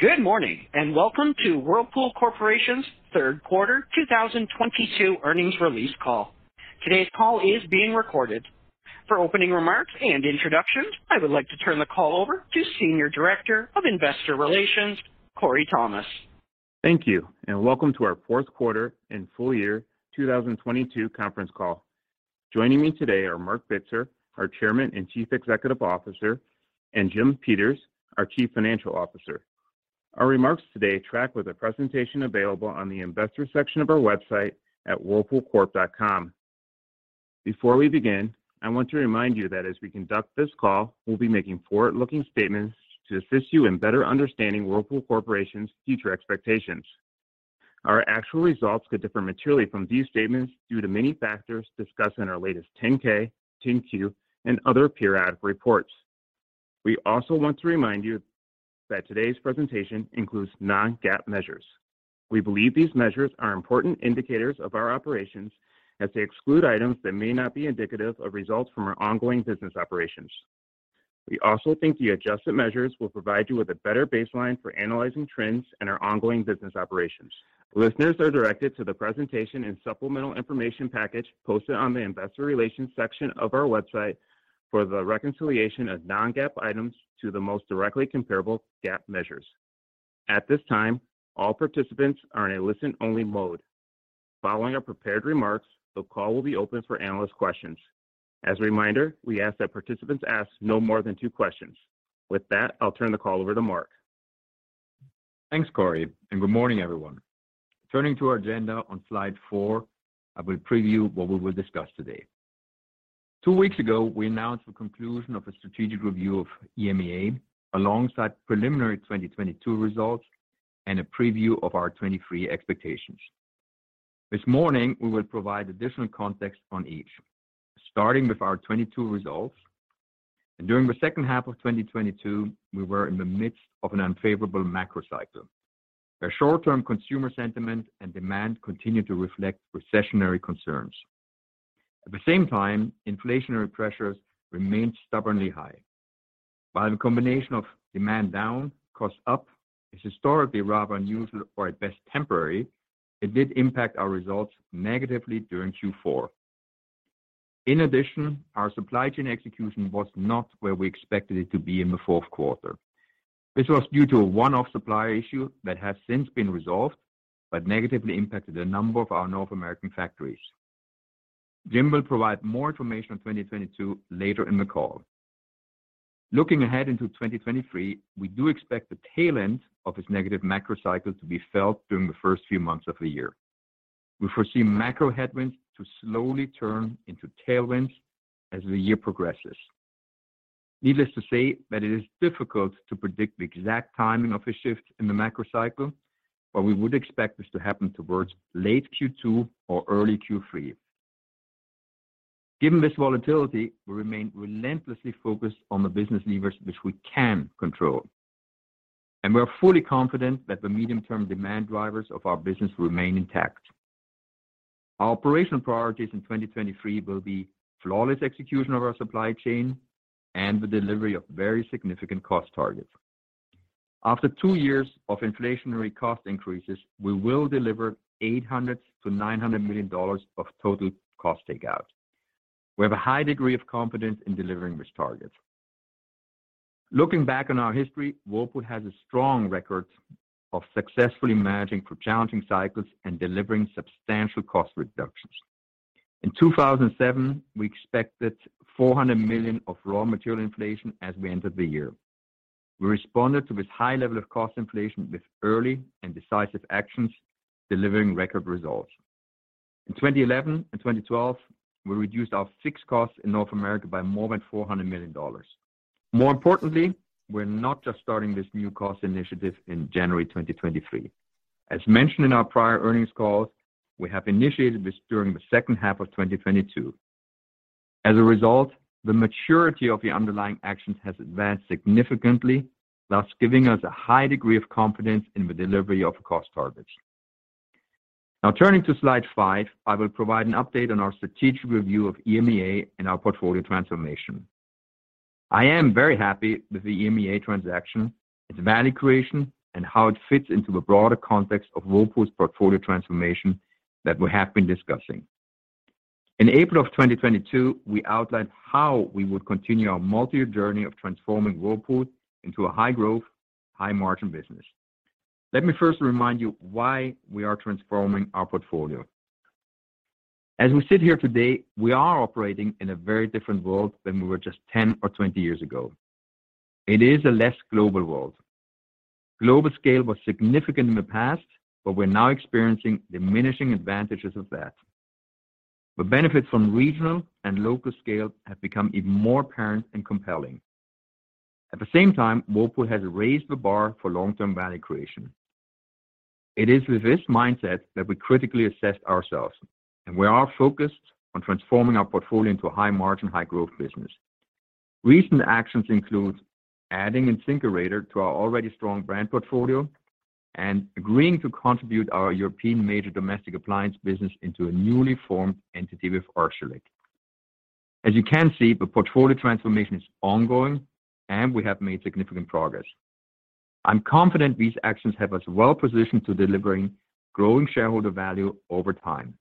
Good morning, welcome to Whirlpool Corporation's third quarter 2022 earnings release call. Today's call is being recorded. For opening remarks and introductions, I would like to turn the call over to Senior Director of Investor Relations, Korey Thomas. Thank you, and welcome to our fourth quarter and full year 2022 conference call. Joining me today are Marc Bitzer, our Chairman and Chief Executive Officer, and Jim Peters, our Chief Financial Officer. Our remarks today track with a presentation available on the investor section of our website at whirlpoolcorp.com. Before we begin, I want to remind you that as we conduct this call, we'll be making forward-looking statements to assist you in better understanding Whirlpool Corporation's future expectations. Our actual results could differ materially from these statements due to many factors discussed in our latest 10-K, 10-Q and other periodic reports. We also want to remind you that today's presentation includes non-GAAP measures. We believe these measures are important indicators of our operations as they exclude items that may not be indicative of results from our ongoing business operations. We also think the adjusted measures will provide you with a better baseline for analyzing trends in our ongoing business operations. Listeners are directed to the presentation and supplemental information package posted on the investor relations section of our website for the reconciliation of non-GAAP items to the most directly comparable GAAP measures. At this time, all participants are in a listen-only mode. Following our prepared remarks, the call will be open for analyst questions. As a reminder, we ask that participants ask no more than two questions. With that, I'll turn the call over to Marc. Thanks, Korey, good morning, everyone. Turning to our agenda on slide four, I will preview what we will discuss today. Two weeks ago, we announced the conclusion of a strategic review of EMEA alongside preliminary 2022 results and a preview of our 2023 expectations. This morning, we will provide additional context on each, starting with our 2022 results. During the second half of 2022, we were in the midst of an unfavorable macro cycle, where short-term consumer sentiment and demand continued to reflect recessionary concerns. At the same time, inflationary pressures remained stubbornly high. While the combination of demand down, cost up is historically rather unusual or at best temporary, it did impact our results negatively during Q4. In addition, our supply chain execution was not where we expected it to be in the fourth quarter. This was due to a one-off supply issue that has since been resolved but negatively impacted a number of our North American factories. Jim will provide more information on 2022 later in the call. Looking ahead into 2023, we do expect the tail end of this negative macro cycle to be felt during the first few months of the year. We foresee macro headwinds to slowly turn into tailwinds as the year progresses. Needless to say that it is difficult to predict the exact timing of a shift in the macro cycle, but we would expect this to happen towards late Q2 or early Q3. Given this volatility, we remain relentlessly focused on the business levers which we can control, and we are fully confident that the medium-term demand drivers of our business remain intact. Our operational priorities in 2023 will be flawless execution of our supply chain and the delivery of very significant cost targets. After two years of inflationary cost increases, we will deliver $800 million-$900 million of total cost takeout. We have a high degree of confidence in delivering this target. Looking back on our history, Whirlpool has a strong record of successfully managing challenging cycles and delivering substantial cost reductions. In 2007, we expected $400 million of raw material inflation as we entered the year. We responded to this high level of cost inflation with early and decisive actions, delivering record results. In 2011 and 2012, we reduced our fixed costs in North America by more than $400 million. More importantly, we're not just starting this new cost initiative in January 2023. As mentioned in our prior earnings calls, we have initiated this during the second half of 2022. As a result, the maturity of the underlying actions has advanced significantly, thus giving us a high degree of confidence in the delivery of cost targets. Turning to slide five, I will provide an update on our strategic review of EMEA and our portfolio transformation. I am very happy with the EMEA transaction, its value creation, and how it fits into the broader context of Whirlpool's portfolio transformation that we have been discussing. In April of 2022, we outlined how we would continue our multi-year journey of transforming Whirlpool into a high-growth, high-margin business. Let me first remind you why we are transforming our portfolio. As we sit here today, we are operating in a very different world than we were just 10 or 20 years ago. It is a less global world. Global scale was significant in the past, but we're now experiencing diminishing advantages of that. The benefits from regional and local scale have become even more apparent and compelling. At the same time, Whirlpool has raised the bar for long-term value creation. It is with this mindset that we critically assess ourselves, and we are focused on transforming our portfolio into a high-margin, high-growth business. Recent actions include adding InSinkErator to our already strong brand portfolio and agreeing to contribute our European major domestic appliance business into a newly formed entity with Arçelik. You can see, the portfolio transformation is ongoing, and we have made significant progress. I'm confident these actions have us well-positioned to delivering growing shareholder value over time.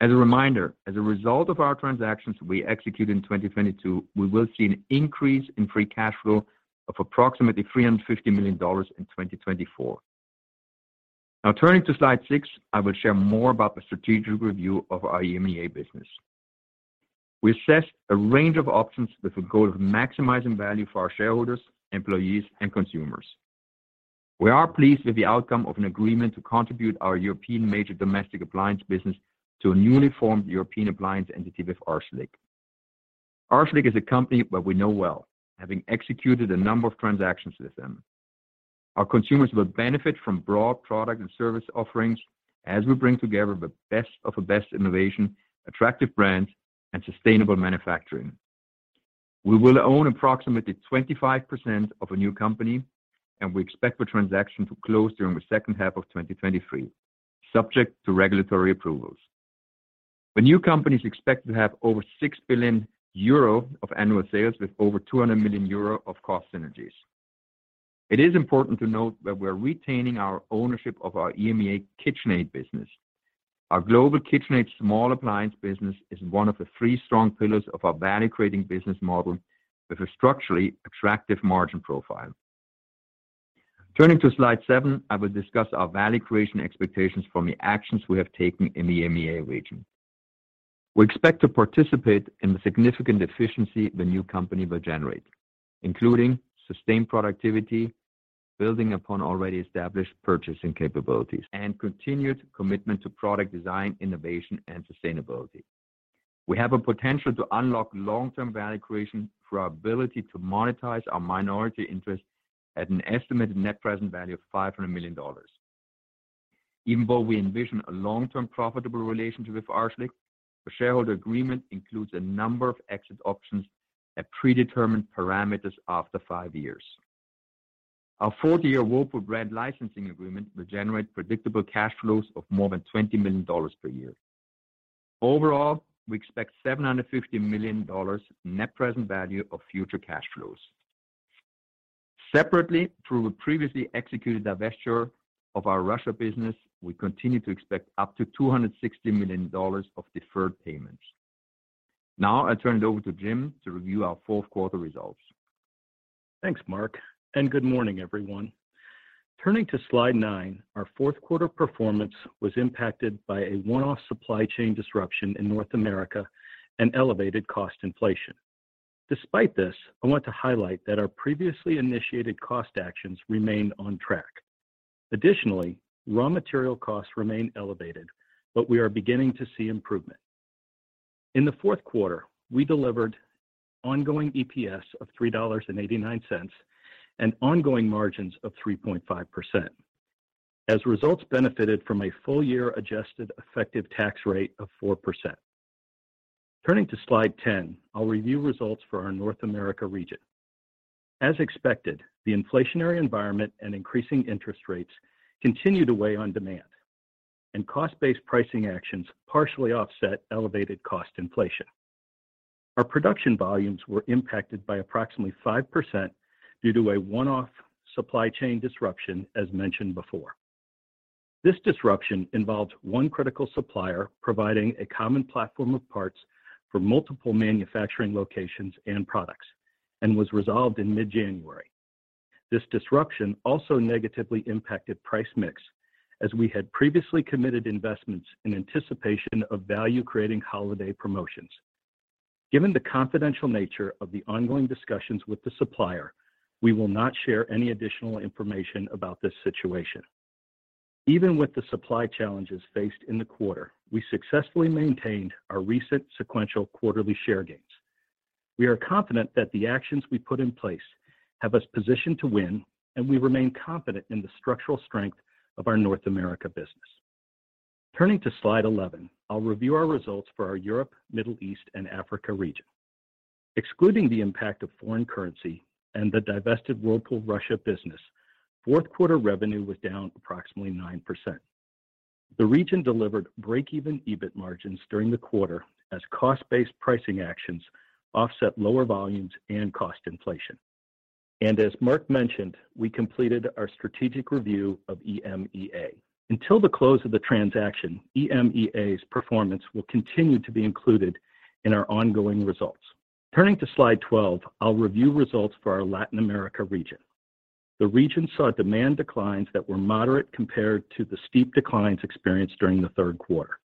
As a reminder, as a result of our transactions we execute in 2022, we will see an increase in free cash flow of approximately $350 million in 2024. Turning to slide six, I will share more about the strategic review of our EMEA business. We assessed a range of options with the goal of maximizing value for our shareholders, employees, and consumers. We are pleased with the outcome of an agreement to contribute our European major domestic appliance business to a newly formed European appliance entity with Arçelik. Arçelik is a company that we know well, having executed a number of transactions with them. Our consumers will benefit from broad product and service offerings as we bring together the best of the best innovation, attractive brands, and sustainable manufacturing. We will own approximately 25% of a new company, and we expect the transaction to close during the second half of 2023, subject to regulatory approvals. The new company is expected to have over 6 billion euro of annual sales with over 200 million euro of cost synergies. It is important to note that we're retaining our ownership of our EMEA KitchenAid business. Our global KitchenAid small appliance business is one of the three strong pillars of our value-creating business model with a structurally attractive margin profile. Turning to slide seven, I will discuss our value creation expectations from the actions we have taken in the EMEA region. We expect to participate in the significant efficiency the new company will generate, including sustained productivity, building upon already established purchasing capabilities, and continued commitment to product design, innovation, and sustainability. We have a potential to unlock long-term value creation through our ability to monetize our minority interest at an estimated net present value of $500 million. Even though we envision a long-term profitable relationship with Arçelik, the shareholder agreement includes a number of exit options at predetermined parameters after five years. Our 40-year Whirlpool brand licensing agreement will generate predictable cash flows of more than $20 million per year. Overall, we expect $750 million net present value of future cash flows. Separately, through a previously executed divestiture of our Russia business, we continue to expect up to $260 million of deferred payments. Now I turn it over to Jim to review our fourth quarter results. Thanks, Marc. Good morning, everyone. Turning to slide nine, our fourth quarter performance was impacted by a one-off supply chain disruption in North America and elevated cost inflation. Despite this, I want to highlight that our previously initiated cost actions remain on track. Additionally, raw material costs remain elevated. We are beginning to see improvement. In the fourth quarter, we delivered ongoing EPS of $3.89 and ongoing margins of 3.5% as results benefited from a full year adjusted effective tax rate of 4%. Turning to slide 10, I'll review results for our North America region. As expected, the inflationary environment and increasing interest rates continue to weigh on demand. Cost-based pricing actions partially offset elevated cost inflation. Our production volumes were impacted by approximately 5% due to a one-off supply chain disruption, as mentioned before. This disruption involved one critical supplier providing a common platform of parts for multiple manufacturing locations and products and was resolved in mid-January. This disruption also negatively impacted price mix, as we had previously committed investments in anticipation of value-creating holiday promotions. Given the confidential nature of the ongoing discussions with the supplier, we will not share any additional information about this situation. Even with the supply challenges faced in the quarter, we successfully maintained our recent sequential quarterly share gains. We are confident that the actions we put in place have us positioned to win. We remain confident in the structural strength of our North America business. Turning to slide 11, I'll review our results for our Europe, Middle East, and Africa region. Excluding the impact of foreign currency and the divested Whirlpool Russia business, fourth quarter revenue was down approximately 9%. The region delivered break-even EBIT margins during the quarter as cost-based pricing actions offset lower volumes and cost inflation. As Marc mentioned, we completed our strategic review of EMEA. Until the close of the transaction, EMEA's performance will continue to be included in our ongoing results. Turning to slide 12, I'll review results for our Latin America region. The region saw demand declines that were moderate compared to the steep declines experienced during the third quarter.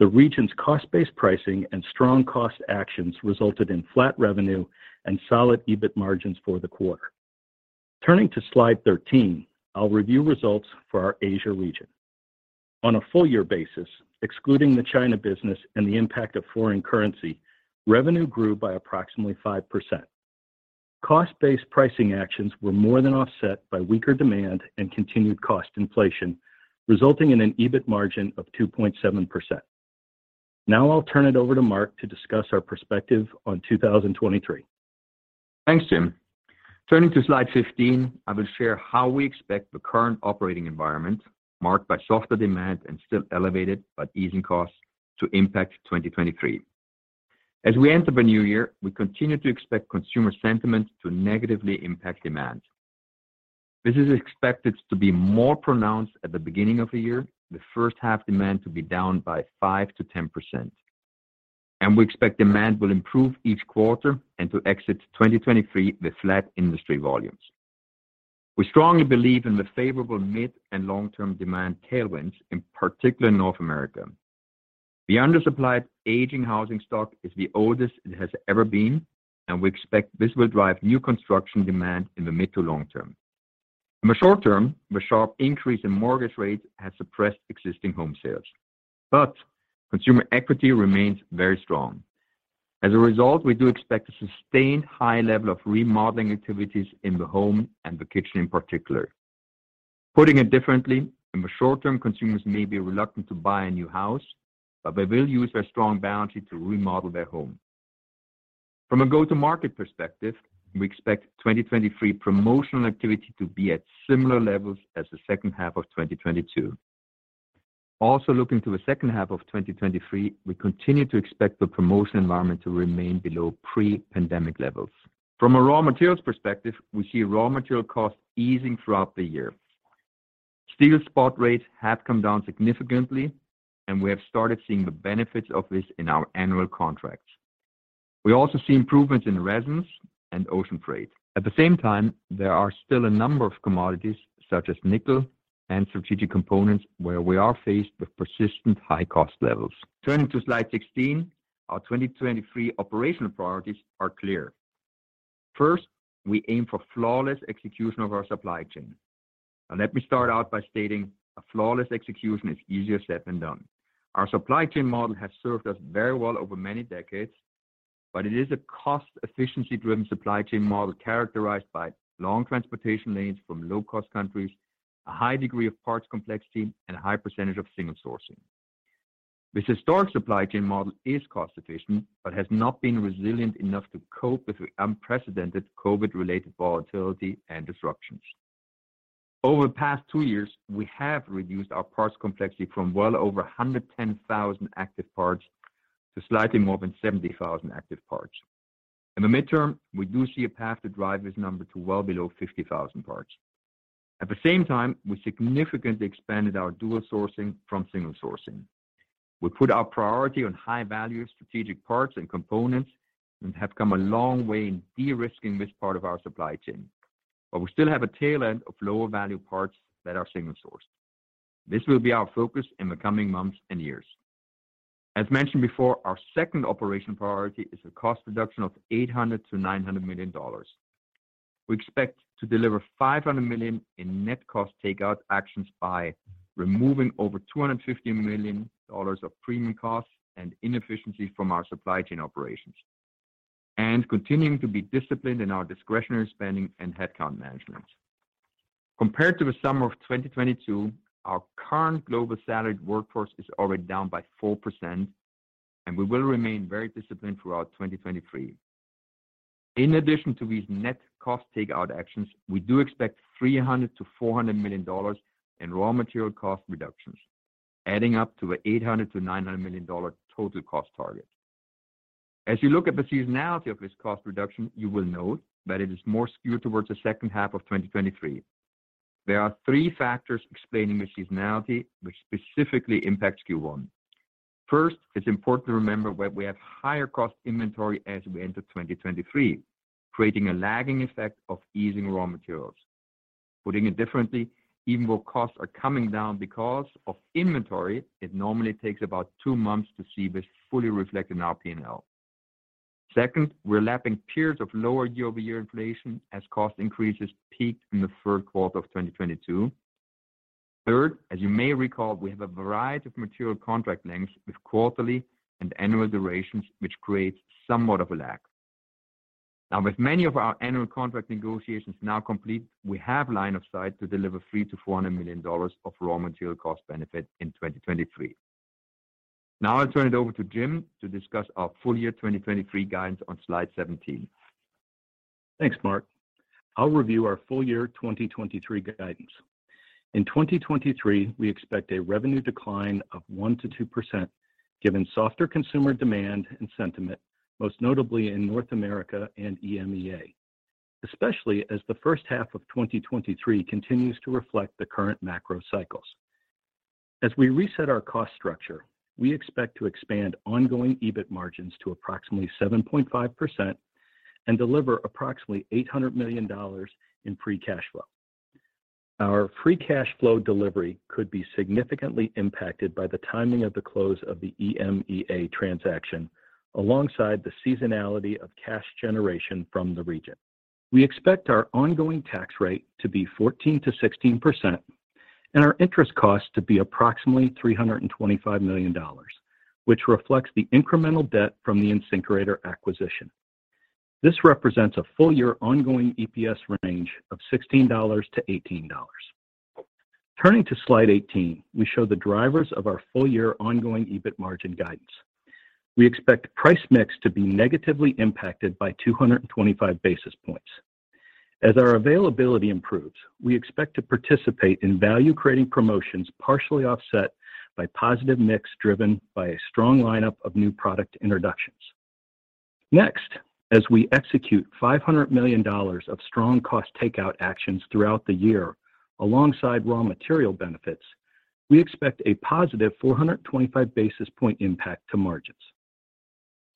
The region's cost-based pricing and strong cost actions resulted in flat revenue and solid EBIT margins for the quarter. Turning to slide 13, I'll review results for our Asia region. On a full year basis, excluding the China business and the impact of foreign currency, revenue grew by approximately 5%. Cost-based pricing actions were more than offset by weaker demand and continued cost inflation, resulting in an EBIT margin of 2.7%. I'll turn it over to Marc to discuss our perspective on 2023. Thanks, Jim. Turning to slide 15, I will share how we expect the current operating environment marked by softer demand and still elevated but easing costs to impact 2023. As we enter the new year, we continue to expect consumer sentiment to negatively impact demand. This is expected to be more pronounced at the beginning of the year, the first half demand to be down by 5%-10%. We expect demand will improve each quarter and to exit 2023 with flat industry volumes. We strongly believe in the favorable mid and long-term demand tailwinds, in particular in North America. The undersupplied aging housing stock is the oldest it has ever been, and we expect this will drive new construction demand in the mid to long term. In the short term, the sharp increase in mortgage rates has suppressed existing home sales, but consumer equity remains very strong. As a result, we do expect a sustained high level of remodeling activities in the home and the kitchen in particular. Putting it differently, in the short term, consumers may be reluctant to buy a new house, but they will use their strong balance sheet to remodel their home. From a go-to-market perspective, we expect 2023 promotional activity to be at similar levels as the second half of 2022. Also, looking to the second half of 2023, we continue to expect the promotion environment to remain below pre-pandemic levels. From a raw materials perspective, we see raw material costs easing throughout the year. Steel spot rates have come down significantly, and we have started seeing the benefits of this in our annual contracts. We also see improvements in resins and ocean freight. At the same time, there are still a number of commodities such as nickel and strategic components, where we are faced with persistent high cost levels. Turning to slide 16, our 2023 operational priorities are clear. First, we aim for flawless execution of our supply chain. Now let me start out by stating a flawless execution is easier said than done. Our supply chain model has served us very well over many decades, but it is a cost efficiency-driven supply chain model characterized by long transportation lanes from low-cost countries, a high degree of parts complexity, and a high percentage of single sourcing. This historic supply chain model is cost efficient but has not been resilient enough to cope with the unprecedented COVID-related volatility and disruptions. Over the past two years, we have reduced our parts complexity from well over 110,000 active parts to slightly more than 70,000 active parts. In the midterm, we do see a path to drive this number to well below 50,000 parts. At the same time, we significantly expanded our dual sourcing from single sourcing. We put our priority on high value strategic parts and components and have come a long way in de-risking this part of our supply chain, but we still have a tail end of lower value parts that are single sourced. This will be our focus in the coming months and years. As mentioned before, our second operational priority is a cost reduction of $800 million-$900 million. We expect to deliver $500 million in net cost takeout actions by removing over $250 million of premium costs and inefficiencies from our supply chain operations and continuing to be disciplined in our discretionary spending and headcount management. Compared to the summer of 2022, our current global salaried workforce is already down by 4%, and we will remain very disciplined throughout 2023. In addition to these net cost takeout actions, we do expect $300 million-$400 million in raw material cost reductions, adding up to $800 million-$900 million total cost target. As you look at the seasonality of this cost reduction, you will note that it is more skewed towards the second half of 2023. There are three factors explaining the seasonality which specifically impacts Q1. First, it's important to remember that we have higher cost inventory as we enter 2023, creating a lagging effect of easing raw materials. Putting it differently, even though costs are coming down because of inventory, it normally takes about two months to see this fully reflected in our P&L. Second, we're lapping periods of lower year-over-year inflation as cost increases peaked in the third quarter of 2022. Third, as you may recall, we have a variety of material contract lengths with quarterly and annual durations, which creates somewhat of a lag. With many of our annual contract negotiations now complete, we have line of sight to deliver $300 million-$400 million of raw material cost benefit in 2023. I'll turn it over to Jim to discuss our full year 2023 guidance on slide 17. Thanks, Marc. I'll review our full year 2023 guidance. In 2023, we expect a revenue decline of 1%-2%, given softer consumer demand and sentiment, most notably in North America and EMEA, especially as the first half of 2023 continues to reflect the current macro cycles. As we reset our cost structure, we expect to expand ongoing EBIT margins to approximately 7.5% and deliver approximately $800 million in free cash flow. Our free cash flow delivery could be significantly impacted by the timing of the close of the EMEA transaction alongside the seasonality of cash generation from the region. We expect our ongoing tax rate to be 14%-16% and our interest cost to be approximately $325 million, which reflects the incremental debt from the InSinkErator acquisition. This represents a full year ongoing EPS range of $16-$18. Turning to slide 18, we show the drivers of our full-year ongoing EBIT margin guidance. We expect price mix to be negatively impacted by 225 basis points. As our availability improves, we expect to participate in value-creating promotions, partially offset by positive mix driven by a strong lineup of new product introductions. As we execute $500 million of strong cost takeout actions throughout the year alongside raw material benefits, we expect a positive 425 basis point impact to margins.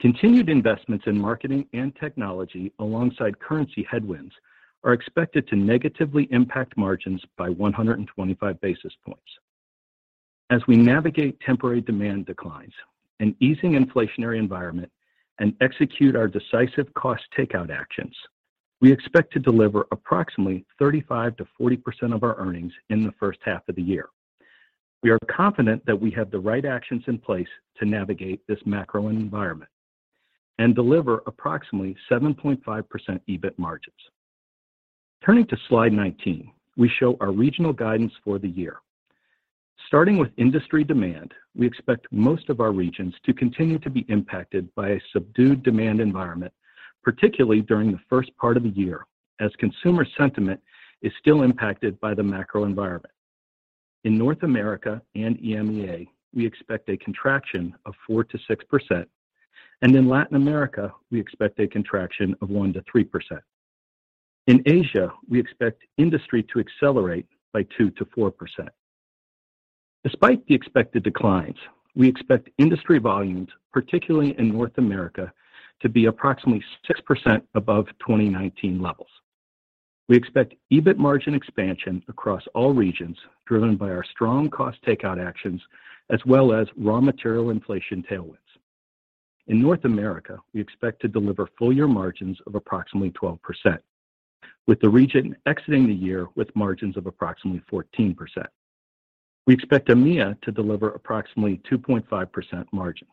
Continued investments in marketing and technology alongside currency headwinds are expected to negatively impact margins by 125 basis points. As we navigate temporary demand declines, an easing inflationary environment, and execute our decisive cost takeout actions, we expect to deliver approximately 35%-40% of our earnings in the first half of the year. We are confident that we have the right actions in place to navigate this macro environment and deliver approximately 7.5% EBIT margins. Turning to slide 19, we show our regional guidance for the year. Starting with industry demand, we expect most of our regions to continue to be impacted by a subdued demand environment, particularly during the first part of the year, as consumer sentiment is still impacted by the macro environment. In North America and EMEA, we expect a contraction of 4%-6%. In Latin America, we expect a contraction of 1%-3%. In Asia, we expect industry to accelerate by 2%-4%. Despite the expected declines, we expect industry volumes, particularly in North America, to be approximately 6% above 2019 levels. We expect EBIT margin expansion across all regions, driven by our strong cost takeout actions as well as raw material inflation tailwinds. In North America, we expect to deliver full year margins of approximately 12%, with the region exiting the year with margins of approximately 14%. We expect EMEA to deliver approximately 2.5% margins.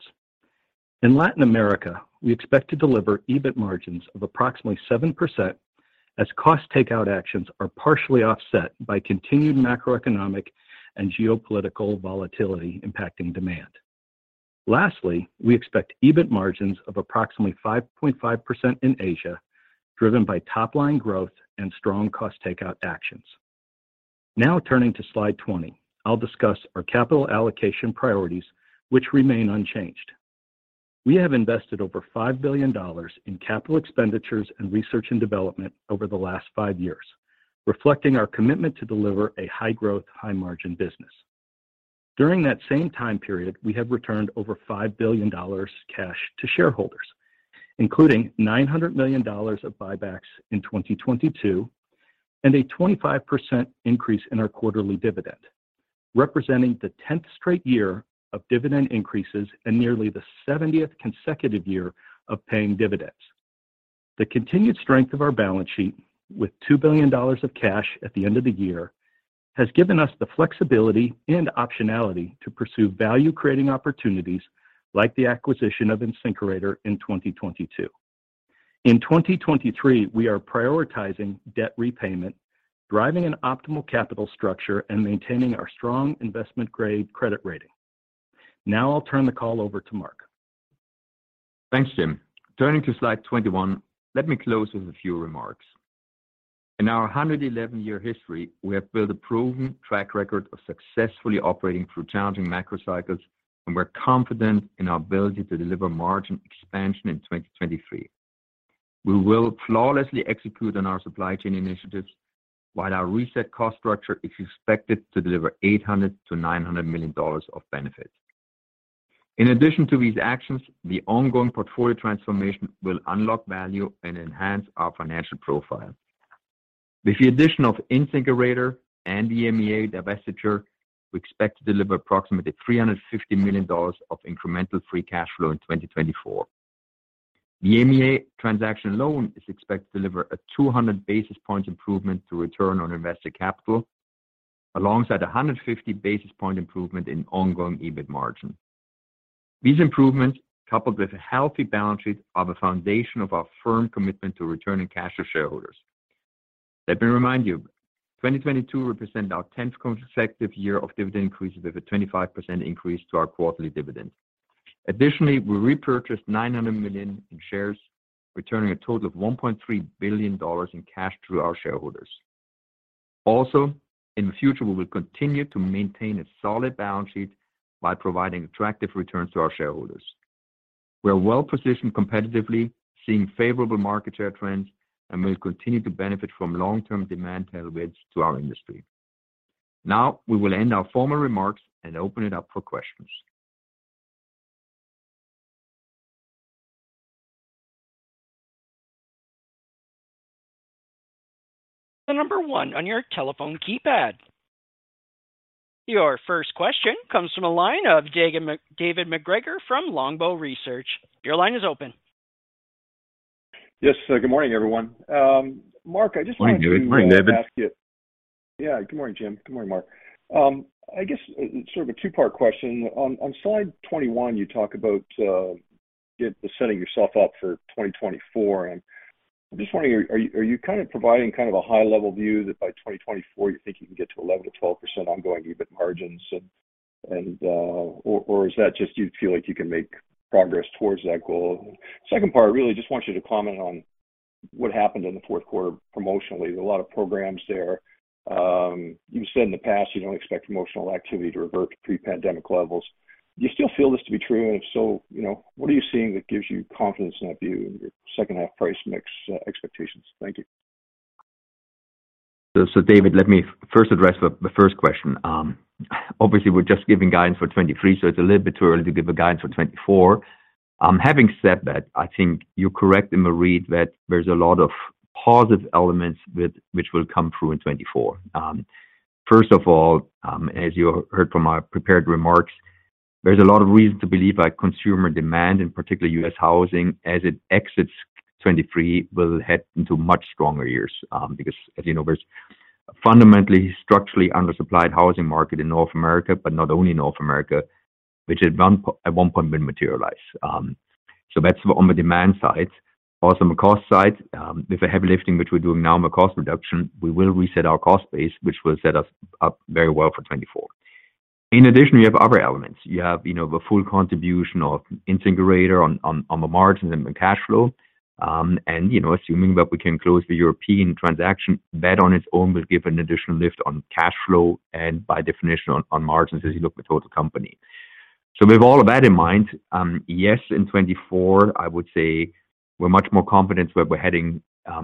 In Latin America, we expect to deliver EBIT margins of approximately 7% as cost takeout actions are partially offset by continued macroeconomic and geopolitical volatility impacting demand. Lastly, we expect EBIT margins of approximately 5.5% in Asia, driven by top-line growth and strong cost takeout actions. Now turning to slide 20, I'll discuss our capital allocation priorities, which remain unchanged. We have invested over $5 billion in capital expenditures and research and development over the last five years, reflecting our commitment to deliver a high-growth, high-margin business. During that same time period, we have returned over $5 billion cash to shareholders, including $900 million of buybacks in 2022 and a 25% increase in our quarterly dividend, representing the 10th straight year of dividend increases and nearly the 70th consecutive year of paying dividends. The continued strength of our balance sheet, with $2 billion of cash at the end of the year, has given us the flexibility and optionality to pursue value-creating opportunities like the acquisition of InSinkErator in 2022. In 2023, we are prioritizing debt repayment, driving an optimal capital structure, and maintaining our strong investment-grade credit rating. Now I'll turn the call over to Marc. Thanks, Jim. Turning to slide 21, let me close with a few remarks. In our 111 year history, we have built a proven track record of successfully operating through challenging macro cycles, and we're confident in our ability to deliver margin expansion in 2023. We will flawlessly execute on our supply chain initiatives while our reset cost structure is expected to deliver $800 million-$900 million of benefits. In addition to these actions, the ongoing portfolio transformation will unlock value and enhance our financial profile. With the addition of InSinkErator and the EMEA divestiture, we expect to deliver approximately $350 million of incremental free cash flow in 2024. The EMEA transaction loan is expected to deliver a 200 basis point improvement to return on invested capital, alongside a 150 basis point improvement in ongoing EBIT margin. These improvements, coupled with a healthy balance sheet, are the foundation of our firm commitment to returning cash to shareholders. Let me remind you, 2022 represent our 10th consecutive year of dividend increases with a 25% increase to our quarterly dividend. Additionally, we repurchased $900 million in shares, returning a total of $1.3 billion in cash to our shareholders. Also, in the future, we will continue to maintain a solid balance sheet by providing attractive returns to our shareholders. We are well positioned competitively, seeing favorable market share trends, and will continue to benefit from long-term demand tailwinds to our industry. Now we will end our formal remarks and open it up for questions. The number one on your telephone keypad. Your first question comes from the line of David MacGregor from Longbow Research. Your line is open. Yes. Good morning, everyone. Marc, I just wanted to- Morning, David. Good morning, Jim. Good morning, Marc. I guess sort of a two-part question. On, on slide 21, you talk about setting yourself up for 2024. Just wondering, are you kind of providing kind of a high-level view that by 2024 you think you can get to 11%-12% ongoing EBIT margins or is that just you feel like you can make progress towards that goal? Second part, really just want you to comment on what happened in the fourth quarter promotionally. There are a lot of programs there. You've said in the past you don't expect promotional activity to revert to pre-pandemic levels. Do you still feel this to be true? If so, you know, what are you seeing that gives you confidence in that view and your second half price mix expectations? Thank you. David, let me first address the first question. Obviously, we're just giving guidance for 2023, so it's a little bit too early to give a guidance for 2024. Having said that, I think you're correct in the read that there's a lot of positive elements which will come through in 2024. First of all, as you heard from my prepared remarks, there's a lot of reason to believe that consumer demand, in particular U.S. Housing, as it exits 2023, will head into much stronger years. Because as you know, there's fundamentally structurally undersupplied housing market in North America, but not only North America, which at one point will materialize. That's on the demand side. Also on the cost side, with the heavy lifting, which we're doing now on the cost reduction, we will reset our cost base, which will set us up very well for 2024. In addition, we have other elements. You have, you know, the full contribution of InSinkErator on, on the margins and the cash flow. You know, assuming that we can close the European transaction, that on its own will give an additional lift on cash flow and by definition on margins as you look the total company. With all of that in mind, yes, in 2024, I would say we're much more confident that we're heading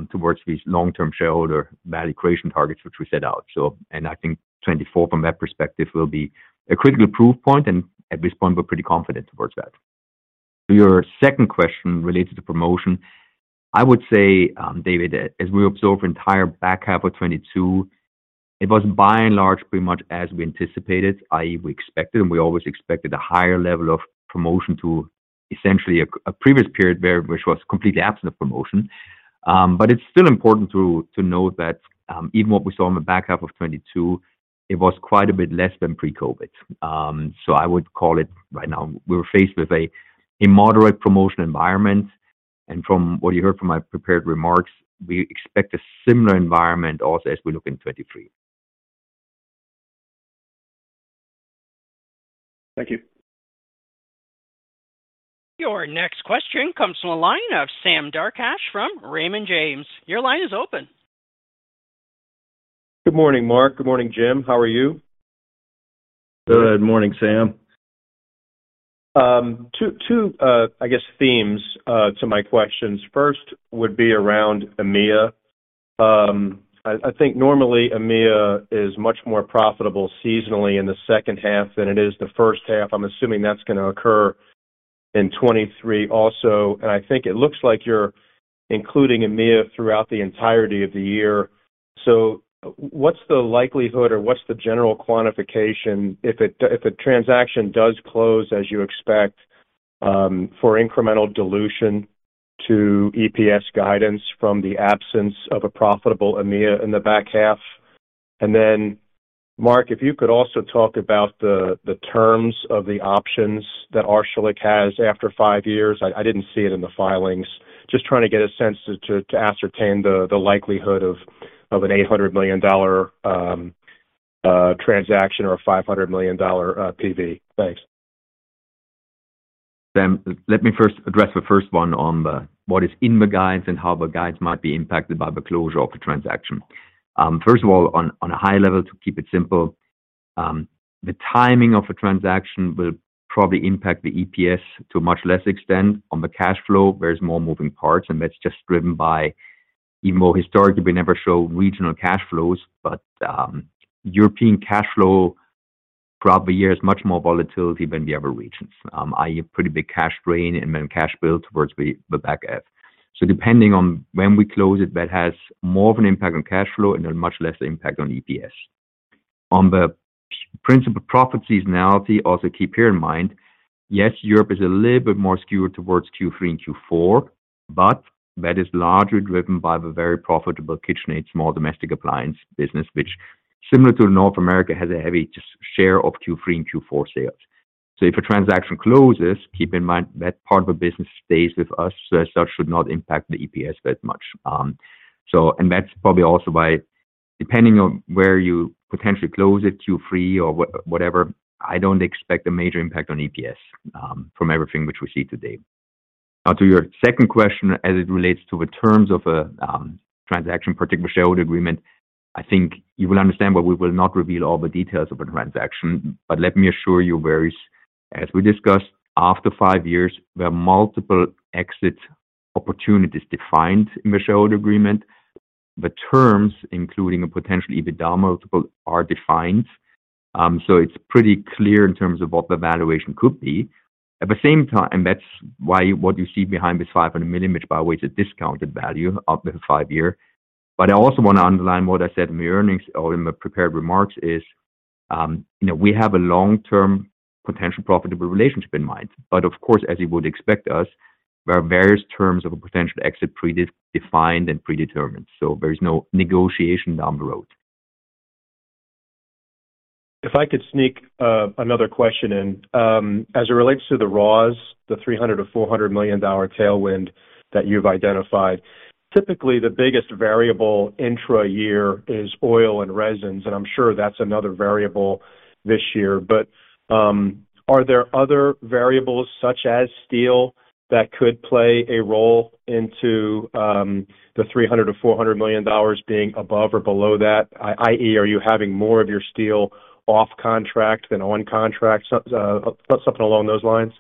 towards these long-term shareholder value creation targets which we set out. I think 2024 from that perspective will be a critical proof point, and at this point we're pretty confident towards that. To your second question related to promotion. I would say, David, as we observe entire back half of 2022, it was by and large pretty much as we anticipated, i.e. we expected and we always expected a higher level of promotion to essentially a previous period which was completely absent of promotion. It's still important to note that even what we saw in the back half of 2022, it was quite a bit less than pre-COVID. I would call it right now, we were faced with a moderate promotion environment, and from what you heard from my prepared remarks, we expect a similar environment also as we look in 2023. Thank you. Your next question comes from the line of Sam Darkatsh from Raymond James. Your line is open. Good morning, Marc. Good morning, Jim. How are you? Good morning, Sam. I guess themes to my questions. First would be around EMEA. I think normally EMEA is much more profitable seasonally in the second half than it is the first half. I'm assuming that's gonna occur in 23 also. I think it looks like you're including EMEA throughout the entirety of the year. What's the likelihood or what's the general quantification if the transaction does close as you expect for incremental dilution to EPS guidance from the absence of a profitable EMEA in the back half? Marc, if you could also talk about the terms of the options that Arçelik has after five years. I didn't see it in the filings. Just trying to get a sense to ascertain the likelihood of an $800 million transaction or a $500 million PV. Thanks. Sam, let me first address the first one on the what is in the guides and how the guides might be impacted by the closure of the transaction. First of all, on a high level, to keep it simple, the timing of the transaction will probably impact the EPS to a much less extent. On the cash flow, there's more moving parts, and that's just driven by even though historically we never show regional cash flows, but European cash flow throughout the year is much more volatility than the other regions. i.e. a pretty big cash drain and then cash build towards the back half. Depending on when we close it, that has more of an impact on cash flow and a much less impact on EPS. On the principal profit seasonality, also keep here in mind, yes, Europe is a little bit more skewed towards Q3 and Q4, but that is largely driven by the very profitable KitchenAid small domestic appliance business, which similar to North America, has a heavy just share of Q3 and Q4 sales. If a transaction closes, keep in mind that part of the business stays with us. As such should not impact the EPS that much. That's probably also why, depending on where you potentially close it, Q3 or whatever, I don't expect a major impact on EPS from everything which we see today. Now to your second question, as it relates to the terms of a transaction, particularly shareholder agreement, I think you will understand that we will not reveal all the details of a transaction. Let me assure you there is, as we discussed after five years, there are multiple exit opportunities defined in the shareholder agreement. The terms, including a potential EBITDA multiple, are defined. It's pretty clear in terms of what the valuation could be. At the same time, that's why what you see behind this $500 million, which by the way is a discounted value of the five year. I also want to underline what I said in the earnings or in the prepared remarks is, you know, we have a long-term potential profitable relationship in mind. Of course, as you would expect us, there are various terms of a potential exit pre-defined and predetermined. There is no negotiation down the road. If I could sneak another question in. As it relates to the raws, the $300 million-$400 million tailwind that you've identified, typically the biggest variable intra-year is oil and resins, and I'm sure that's another variable this year. Are there other variables such as steel that could play a role into the $300 million-$400 million being above or below that? Are you having more of your steel off contract than on contract, something along those lines.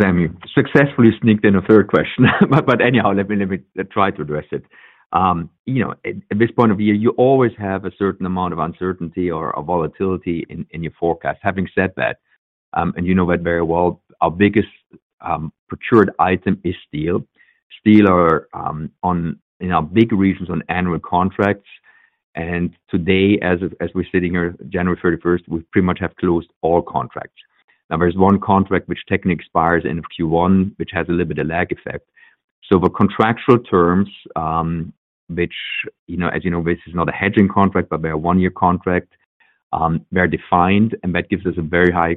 Sam, you successfully sneaked in a third question. Anyhow, let me try to address it. you know, at this point of view, you always have a certain amount of uncertainty or a volatility in your forecast. Having said that, and you know that very well, our biggest, procured item is steel. Steel are on, in our big regions on annual contracts. Today, as we're sitting here, January 31st, we pretty much have closed all contracts. Now, there's one contract which technically expires end of Q1, which has a little bit of lag effect. The contractual terms, which, you know, as you know, this is not a hedging contract, but they're one-year contract, they're defined, and that gives us a very high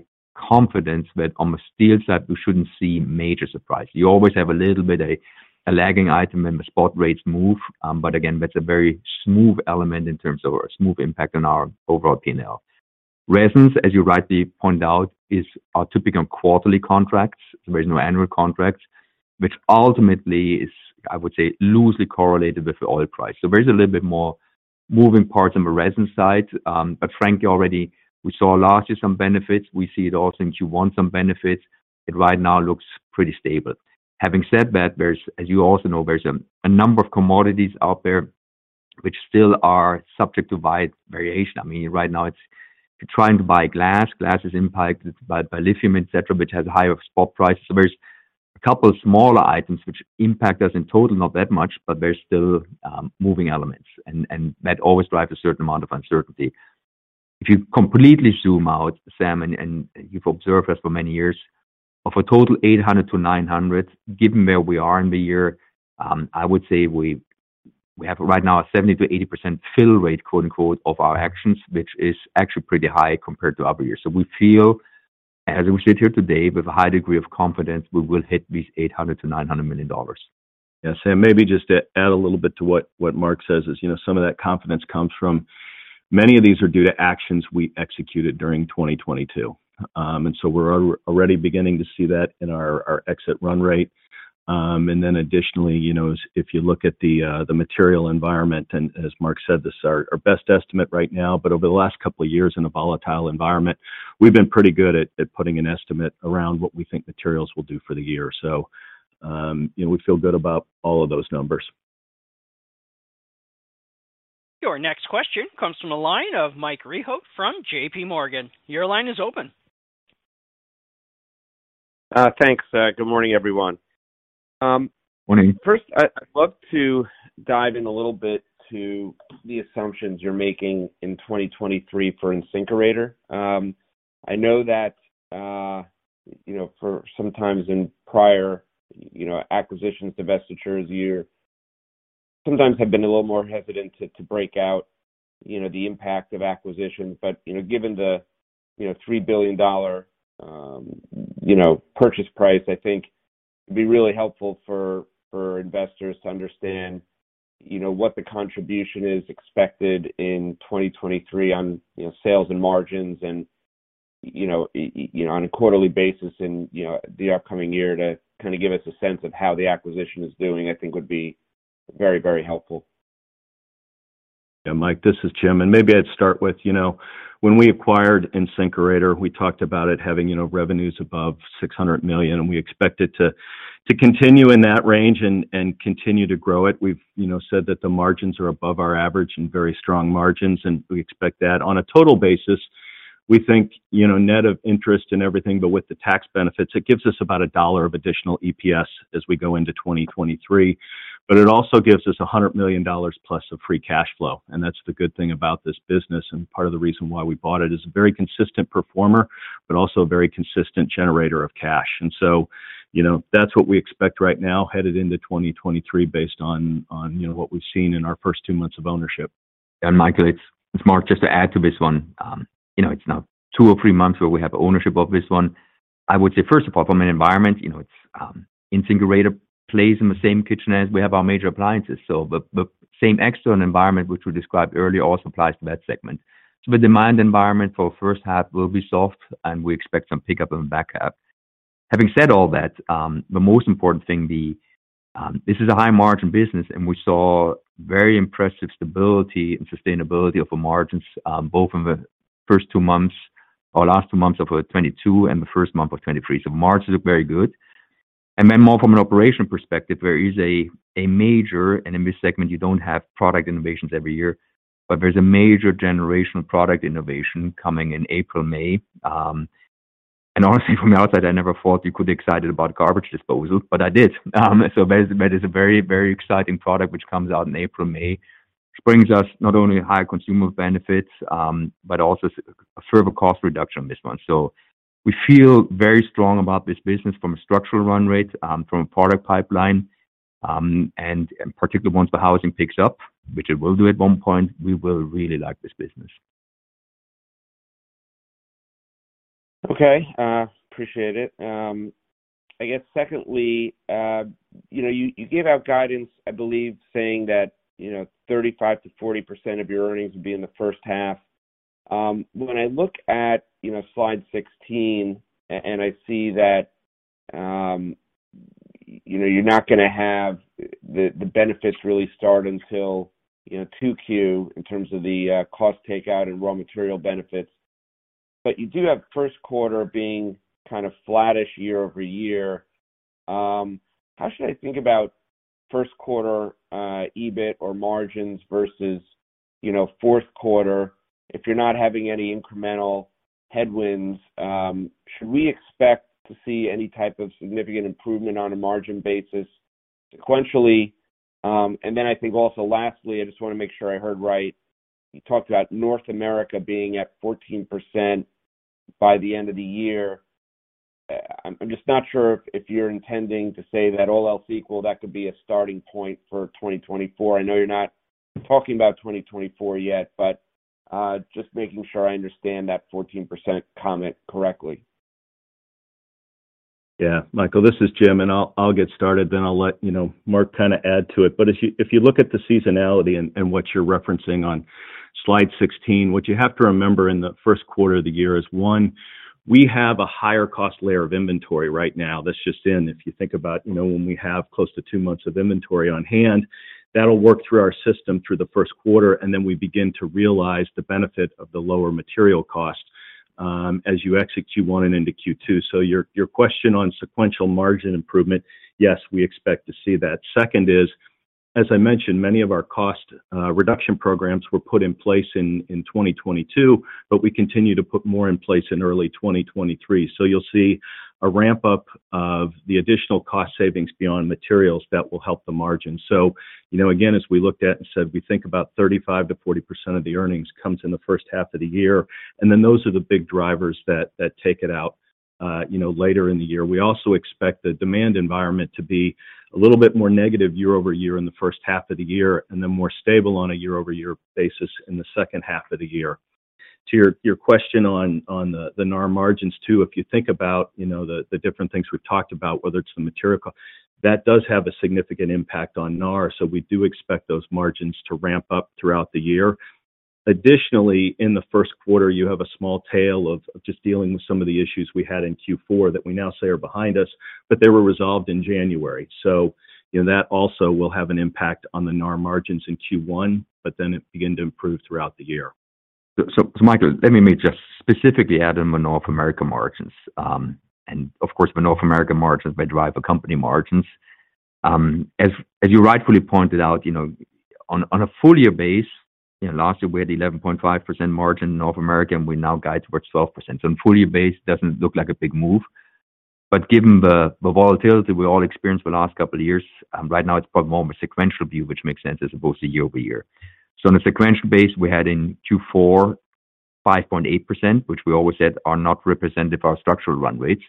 confidence that on the steel side, we shouldn't see major surprise. You always have a little bit a lagging item when the spot rates move, but again, that's a very smooth element in terms of or a smooth impact on our overall P&L. Resins, as you rightly point out, is our typical quarterly contracts. There's no annual contracts, which ultimately is, I would say, loosely correlated with the oil price. There's a little bit more moving parts on the resin side. Frankly, already we saw largely some benefits. We see it all since Q1, some benefits. It right now looks pretty stable. Having said that, there's, as you also know, there's a number of commodities out there which still are subject to wide variation. I mean, right now it's if you're trying to buy glass is impacted by lithium, et cetera, which has a higher spot price. There's a couple of smaller items which impact us in total, not that much, but they're still moving elements, and that always drives a certain amount of uncertainty. If you completely zoom out, Sam, and you've observed us for many years, of a total $800 million-$900 million, given where we are in the year, I would say we have right now a 70%-80% fill rate, quote-unquote, of our actions, which is actually pretty high compared to other years. We feel as we sit here today with a high degree of confidence we will hit these $800 million-$900 million. Yeah. Sam, maybe just to add a little bit to what Marc says is, you know, some of that confidence comes from many of these are due to actions we executed during 2022. We're already beginning to see that in our exit run rate. Additionally, you know, if you look at the material environment, and as Marc said, this is our best estimate right now, but over the last couple of years in a volatile environment, we've been pretty good at putting an estimate around what we think materials will do for the year. You know, we feel good about all of those numbers. Your next question comes from the line of Michael Rehaut from JPMorgan. Your line is open. Thanks. Good morning, everyone. Morning. First, I'd love to dive in a little bit to the assumptions you're making in 2023 for InSinkErator. I know that, you know, for sometimes in prior, you know, acquisitions, divestitures year sometimes have been a little more hesitant to break out, you know, the impact of acquisitions. Given the, you know, $3 billion, you know, purchase price, I think it'd be really helpful for investors to understand, you know, what the contribution is expected in 2023 on, you know, sales and margins and, you know, you know, on a quarterly basis in, you know, the upcoming year to kind of give us a sense of how the acquisition is doing, I think would be very, very helpful. Mike, this is Jim. Maybe I'd start with, you know, when we acquired InSinkErator, we talked about it having, you know, revenues above $600 million, and we expect it to continue in that range and continue to grow it. We've, you know, said that the margins are above our average and very strong margins, and we expect that. On a total basis, we think, you know, net of interest and everything, but with the tax benefits, it gives us about $1 of additional EPS as we go into 2023. It also gives us $100 million plus of free cash flow. That's the good thing about this business, and part of the reason why we bought it. It's a very consistent performer, but also a very consistent generator of cash. you know, that's what we expect right now headed into 2023 based on, you know, what we've seen in our first two months of ownership. Michael, it's Marc just to add to this one. You know, it's now two or three months where we have ownership of this one. I would say first of all from an environment, you know, it's InSinkErator plays in the same kitchen as we have our major appliances. The same external environment which we described earlier also applies to that segment. The demand environment for first half will be soft, and we expect some pickup in the back half. Having said all that, the most important thing be, this is a high margin business, and we saw very impressive stability and sustainability of the margins, both in the first two months or last two months of 2022 and the first month of 2023. Margins look very good. More from an operational perspective, there is a major, and in this segment, you don't have product innovations every year, but there's a major generational product innovation coming in April, May. Honestly, from the outside, I never thought you could be excited about garbage disposal, but I did. That is a very, very exciting product which comes out in April, May, which brings us not only higher consumer benefits, but also a further cost reduction on this one. We feel very strong about this business from a structural run rate, from a product pipeline. In particular, once the housing picks up, which it will do at one point, we will really like this business. Okay. appreciate it. I guess secondly, you know, you gave out guidance, I believe, saying that, you know, 35%-40% of your earnings would be in the first half. When I look at, you know, slide 16 and I see that, you know, you're not gonna have the benefits really start until, you know, 2Q in terms of the cost takeout and raw material benefits. You do have first quarter being kind of flattish year-over-year. How should I think about first quarter EBIT or margins versus, you know, fourth quarter if you're not having any incremental headwinds? Should we expect to see any type of significant improvement on a margin basis sequentially? I think also lastly, I just wanna make sure I heard right. You talked about North America being at 14% by the end of the year. I'm just not sure if you're intending to say that all else equal, that could be a starting point for 2024. I know you're not talking about 2024 yet. Just making sure I understand that 14% comment correctly. Yeah. Michael, this is Jim, and I'll get started then I'll let you know Marc kinda add to it. If you look at the seasonality and what you're referencing on slide 16, what you have to remember in the first quarter of the year is, one, we have a higher cost layer of inventory right now that's just in. If you think about, you know, when we have close to two months of inventory on hand, that'll work through our system through the first quarter, and then we begin to realize the benefit of the lower material cost as you exit Q1 and into Q2. Your question on sequential margin improvement, yes, we expect to see that. Second is, as I mentioned, many of our cost reduction programs were put in place in 2022, but we continue to put more in place in early 2023. You'll see a ramp-up of the additional cost savings beyond materials that will help the margin. You know, again, as we looked at and said we think about 35%-40% of the earnings comes in the first half of the year, and then those are the big drivers that take it out, you know, later in the year. We also expect the demand environment to be a little bit more negative year-over-year in the first half of the year, and then more stable on a year-over-year basis in the second half of the year. To your question on the NAR margins too. If you think about, you know, the different things we've talked about, whether it's the material cost, that does have a significant impact on NAR, so we do expect those margins to ramp up throughout the year. Additionally, in the first quarter, you have a small tail of just dealing with some of the issues we had in Q4 that we now say are behind us, but they were resolved in January. You know, that also will have an impact on the NAR margins in Q1. It begin to improve throughout the year. Michael, let me just specifically add in the North America margins. Of course, the North America margins may drive the company margins. As you rightfully pointed out, you know, on a full year base, you know, last year we had 11.5% margin North America, and we now guide towards 12%. On a full year base, doesn't look like a big move. Given the volatility we all experienced the last couple of years, right now it's probably more of a sequential view, which makes sense, as opposed to year-over-year. On a sequential base, we had in Q4 5.8%, which we always said are not representative of our structural run rates.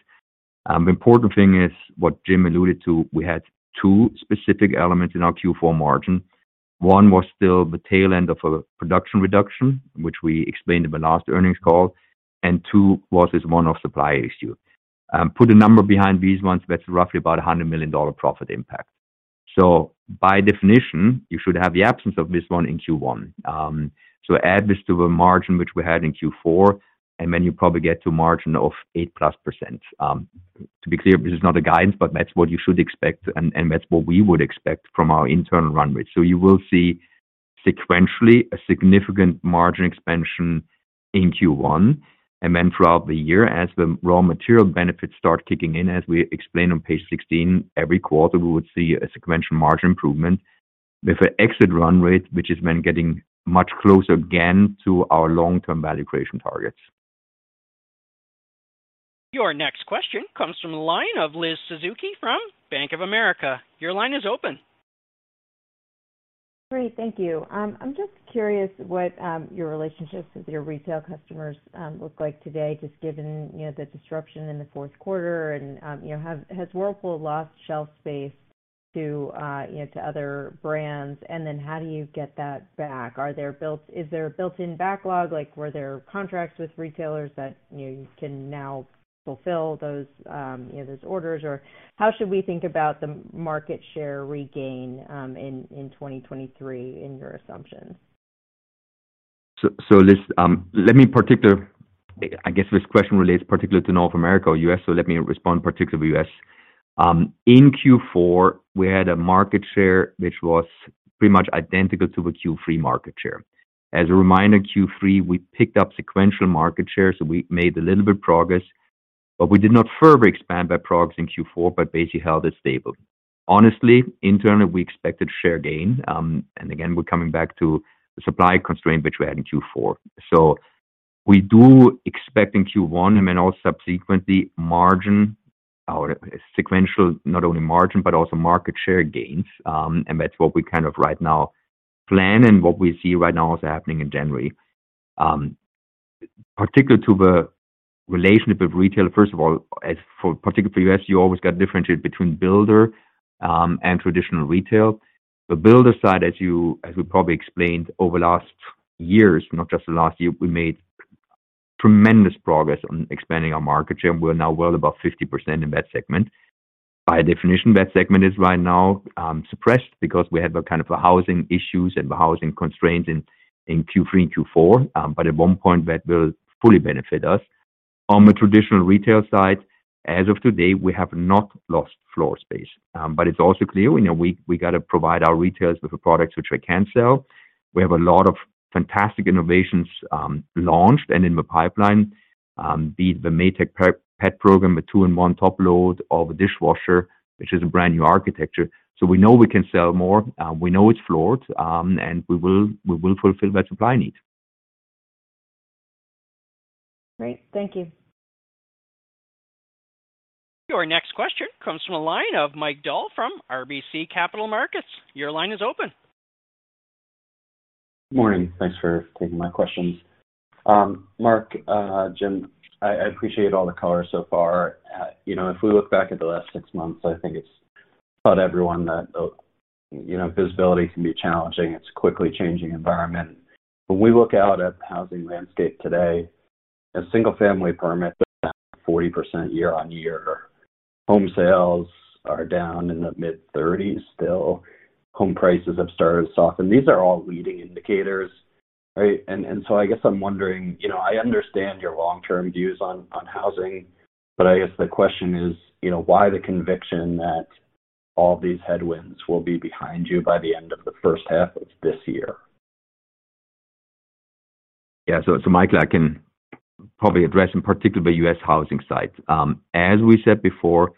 Important thing is, what Jim alluded to, we had two specific elements in our Q4 margin. One was still the tail end of a production reduction, which we explained in the last earnings call. Two was this one-off supply issue. Put a number behind these ones, that's roughly about $100 million profit impact. By definition, you should have the absence of this one in Q1. Add this to the margin which we had in Q4, and then you probably get to margin of 8%+. To be clear, this is not a guidance, but that's what you should expect and that's what we would expect from our internal run rate. You will see sequentially a significant margin expansion in Q1. Throughout the year, as the raw material benefits start kicking in, as we explained on page 16, every quarter we would see a sequential margin improvement with a exit run rate, which has been getting much closer again to our long-term value creation targets. Your next question comes from the line of Elizabeth Suzuki from Bank of America. Your line is open. Great. Thank you. I'm just curious what your relationships with your retail customers look like today, just given, you know, the disruption in the fourth quarter and, you know, has Whirlpool lost shelf space to, you know, to other brands? How do you get that back? Is there a built-in backlog, like were there contracts with retailers that, you know, you can now fulfill those, you know, those orders? How should we think about the market share regain in 2023 in your assumptions? Liz, I guess this question relates particularly to North America or U.S., so let me respond particularly U.S. In Q4, we had a market share which was pretty much identical to the Q3 market share. As a reminder, Q3 we picked up sequential market share, so we made a little bit progress, but we did not further expand that progress in Q4, but basically held it stable. Honestly, internally, we expected share gain. Again, we're coming back to the supply constraint which we had in Q4. We do expect in Q1 and then also subsequently margin our sequential, not only margin, but also market share gains. That's what we kind of right now plan and what we see right now is happening in January. Particular to the relationship with retail, first of all, as for particularly for U.S., you always got differentiate between builder and traditional retail. The builder side, as you as we probably explained over the last years, not just the last year, we made tremendous progress on expanding our market share. We're now well above 50% in that segment. By definition, that segment is right now suppressed because we have a kind of a housing issues and housing constraints in Q3 and Q4. At one point that will fully benefit us. On the traditional retail side, as of today, we have not lost floor space. It's also clear, you know, we got to provide our retailers with the products which we can sell. We have a lot of fantastic innovations, launched and in the pipeline, be it the Maytag Pet Pro System, the two-in-one top load or the dishwasher, which is a brand-new architecture. We know we can sell more, we know it's floored, we will fulfill that supply need. Great. Thank you. Your next question comes from the line of Mike Dahl from RBC Capital Markets. Your line is open. Morning. Thanks for taking my questions. Marc, Jim, I appreciate all the color so far. You know, if we look back at the last six months, I think it's taught everyone that, you know, visibility can be challenging. It's a quickly changing environment. When we look out at the housing landscape today, a single-family permit is down 40% year-on-year. Home sales are down in the mid-30s still. Home prices have started to soften. These are all leading indicators, right? I guess I'm wondering, you know, I understand your long-term views on housing, but I guess the question is, you know, why the conviction that all these headwinds will be behind you by the end of the first half of this year? Michael, I can probably address in particular the U.S. housing side. As we said before,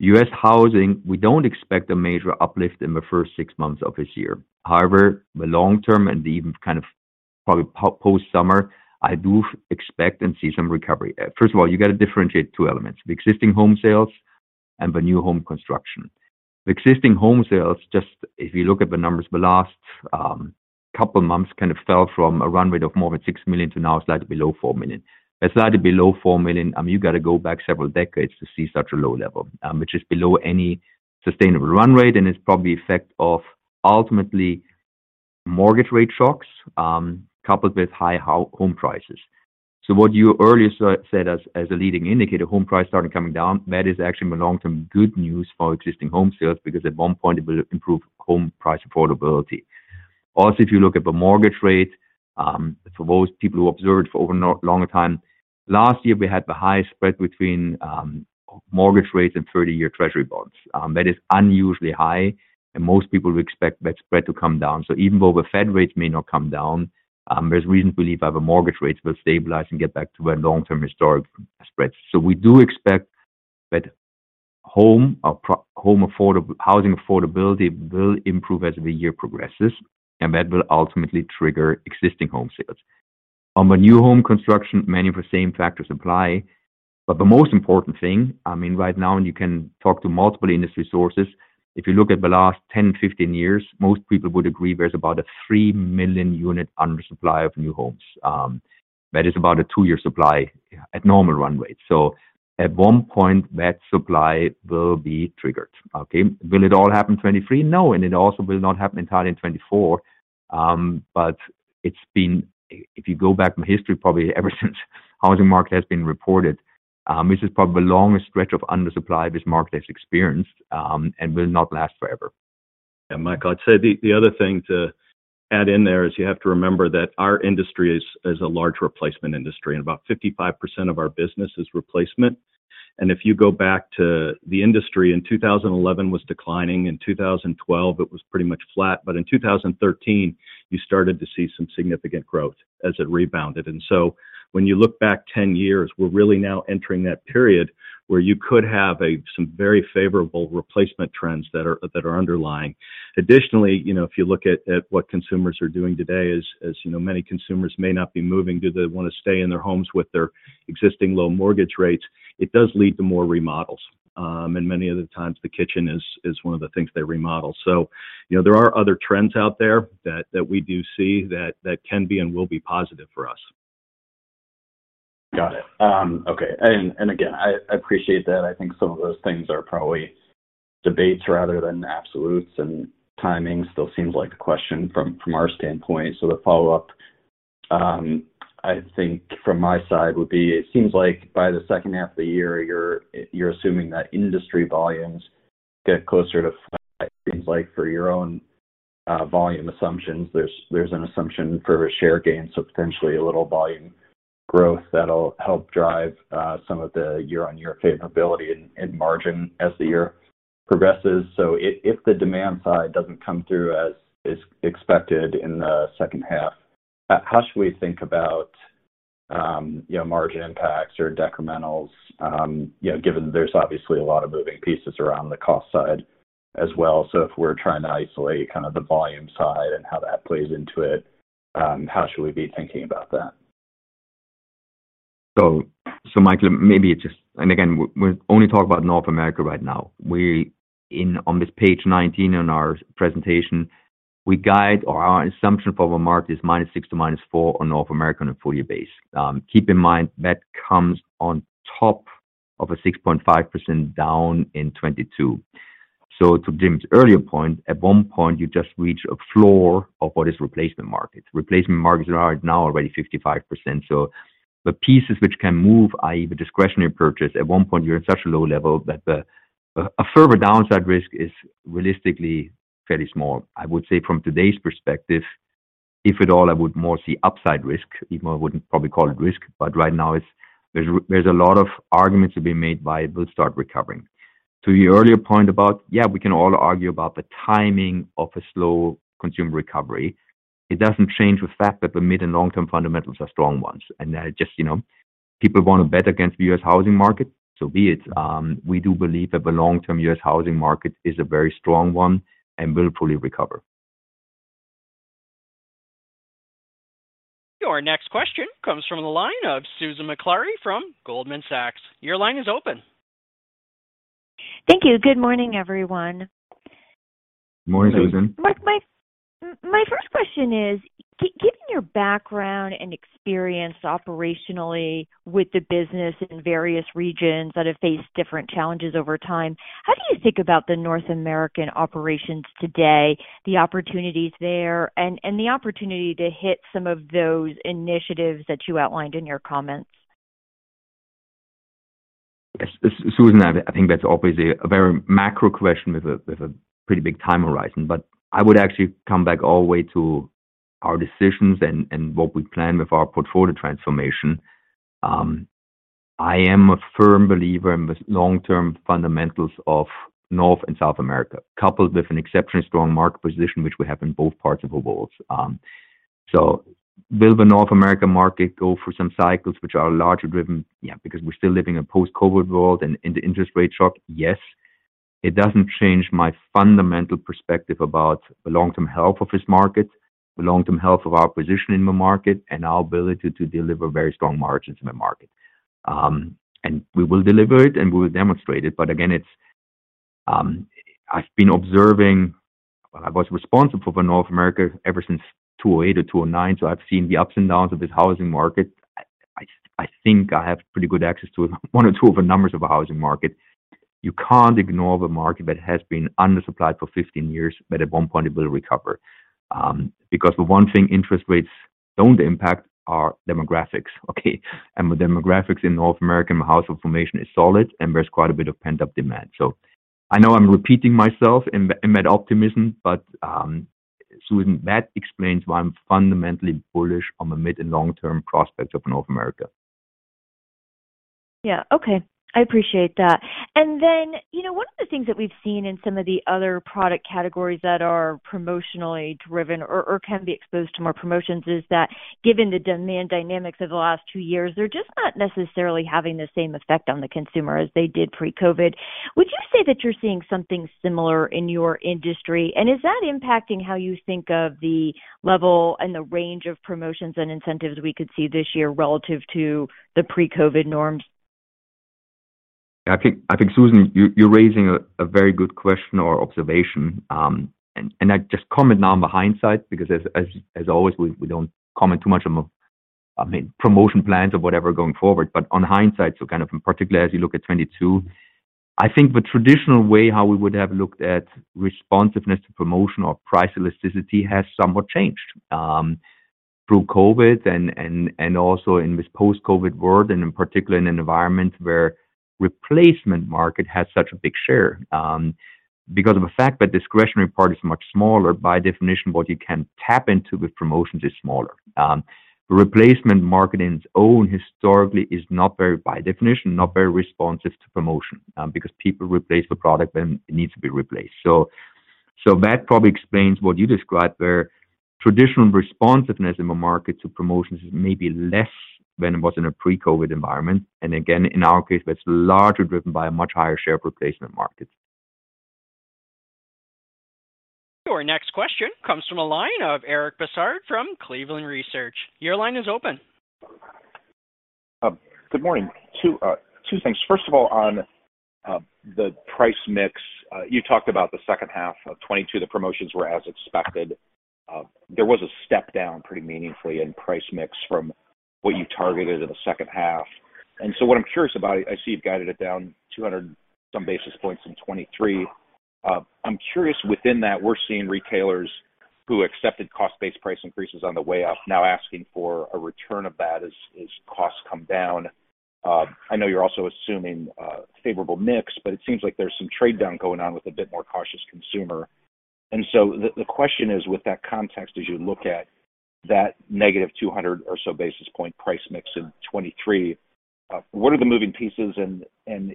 U.S. housing, we don't expect a major uplift in the first six months of this year. However, the long term and even kind of probably post summer, I do expect and see some recovery. First of all, you got to differentiate two elements, the existing home sales and the new home construction. The existing home sales, just if you look at the numbers, the last couple of months kind of fell from a run rate of more than $6 million to now slightly below $4 million. That's slightly below $4 million, you got to go back several decades to see such a low level, which is below any sustainable run rate, and it's probably effect of ultimately mortgage rate shocks, coupled with high home prices. What you earlier said as a leading indicator, home prices started coming down. That is actually the long-term good news for existing home sales because at one point it will improve home price affordability. Also, if you look at the mortgage rate, for those people who observed for over a long time, last year, we had the highest spread between mortgage rates and 30-year Treasury Bonds. That is unusually high, and most people would expect that spread to come down. Even though the Fed rates may not come down, there's reason to believe that the mortgage rates will stabilize and get back to a long-term historic spread. We do expect that home or pro-home housing affordability will improve as the year progresses, and that will ultimately trigger existing home sales. On the new home construction, many of the same factors apply. The most important thing, I mean, right now, you can talk to multiple industry sources, if you look at the last 10, 15 years, most people would agree there's about a three million unit under supply of new homes. That is about a two-year supply at normal run rate. At one point, that supply will be triggered. Okay. Will it all happen 2023? No. It also will not happen entirely in 2024. If you go back in history, probably ever since housing market has been reported, this is probably the longest stretch of under supply this market has experienced, and will not last forever. Michael, I'd say the other thing to add in there is you have to remember that our industry is a large replacement industry, and about 55% of our business is replacement. If you go back to the industry in 2011 was declining, in 2012 it was pretty much flat. In 2013, you started to see some significant growth as it rebounded. When you look back 10 years, we're really now entering that period where you could have some very favorable replacement trends that are underlying. Additionally, you know, if you look at what consumers are doing today, as you know, many consumers may not be moving, do they want to stay in their homes with their existing low mortgage rates? It does lead to more remodels. Many of the times the kitchen is one of the things they remodel. You know, there are other trends out there that we do see that can be and will be positive for us. Got it. Okay. Again, I appreciate that. I think some of those things are probably debates rather than absolutes, and timing still seems like a question from our standpoint. The follow-up, I think from my side would be, it seems like by the second half of the year, you're assuming that industry volumes get closer to flat. It seems like for your own volume assumptions, there's an assumption for a share gain, so potentially a little volume growth that'll help drive some of the year-on-year capability in margin as the year progresses. If the demand side doesn't come through as is expected in the second half, how should we think about, you know, margin impacts or decrementals? You know, given there's obviously a lot of moving pieces around the cost side as well. If we're trying to isolate kind of the volume side and how that plays into it, how should we be thinking about that? Michael, maybe it's just. Again, we're only talking about North America right now. On this page 19 in our presentation, we guide or our assumption for the market is -6% to -4% on North American and full year base. Keep in mind, that comes on top of a 6.5% down in 2022. To Jim's earlier point, at one point you just reach a floor of what is replacement markets. Replacement markets are now already 55%. The pieces which can move, i.e., the discretionary purchase, at one point you're at such a low level that a further downside risk is realistically fairly small. I would say from today's perspective, if at all, I would more see upside risk, even though I wouldn't probably call it risk. Right now it's, there's a lot of arguments to be made by it will start recovering. To your earlier point about, yeah, we can all argue about the timing of a slow consumer recovery. It doesn't change the fact that the mid and long-term fundamentals are strong ones. That it just, you know, people want to bet against the U.S. housing market, so be it. We do believe that the long-term U.S. housing market is a very strong one and will fully recover. Your next question comes from the line of Susan Maklari from Goldman Sachs. Your line is open. Thank you. Good morning, everyone. Morning, Susan. Marc, my first question is, given your background and experience operationally with the business in various regions that have faced different challenges over time, how do you think about the North American operations today, the opportunities there, and the opportunity to hit some of those initiatives that you outlined in your comments? Yes. Susan, I think that's obviously a very macro question with a pretty big time horizon. I would actually come back all the way to our decisions and what we plan with our portfolio transformation. I am a firm believer in the long-term fundamentals of North and South America, coupled with an exceptionally strong market position, which we have in both parts of the world. Will the North America market go through some cycles which are largely driven because we're still living in a post-COVID world and in the interest rate shock? Yes. It doesn't change my fundamental perspective about the long-term health of this market, the long-term health of our position in the market, and our ability to deliver very strong margins in the market. We will deliver it, and we will demonstrate it. Again, it's, I've been observing... I was responsible for North America ever since 2008 or 2009, so I've seen the ups and downs of this housing market. I think I have pretty good access to one or two of the numbers of the housing market. You can't ignore the market that has been undersupplied for 15 years, at one point it will recover. Because the one thing interest rates don't impact are demographics. Okay? With demographics in North America, household formation is solid, and there's quite a bit of pent-up demand. I know I'm repeating myself in my optimism, Susan, that explains why I'm fundamentally bullish on the mid- and long-term prospects of North America. Yeah. Okay. I appreciate that. You know, one of the things that we've seen in some of the other product categories that are promotionally driven or can be exposed to more promotions is that given the demand dynamics of the last two years, they're just not necessarily having the same effect on the consumer as they did pre-COVID. Would you say that you're seeing something similar in your industry? Is that impacting how you think of the level and the range of promotions and incentives we could see this year relative to the pre-COVID norms? I think, Susan, you're raising a very good question or observation. I just comment now on the hindsight, because as always, we don't comment too much on, I mean, promotion plans or whatever going forward. On hindsight, kind of in particular as you look at 22, I think the traditional way how we would have looked at responsiveness to promotion or price elasticity has somewhat changed through COVID and also in this post-COVID world, and in particular in an environment where replacement market has such a big share, because of the fact that discretionary part is much smaller, by definition, what you can tap into with promotions is smaller. Replacement market in its own historically is not very, by definition, not very responsive to promotion, because people replace the product when it needs to be replaced. That probably explains what you described, where traditional responsiveness in the market to promotions is maybe less than it was in a pre-COVID environment. Again, in our case, that's largely driven by a much higher share of replacement markets. Our next question comes from the line of Eric Bosshard from Cleveland Research. Your line is open. Good morning. Two, two things. First of all, on the price mix, you talked about the second half of 2022, the promotions were as expected. There was a step down pretty meaningfully in price mix from what you targeted in the second half. What I'm curious about, I see you've guided it down 200 and some basis points in 2023. I'm curious within that, we're seeing retailers who accepted cost-based price increases on the way up now asking for a return of that as costs come down. I know you're also assuming a favorable mix, but it seems like there's some trade down going on with a bit more cautious consumer. The question is, with that context as you look at that negative 200 or so basis point price mix in 2023, what are the moving pieces and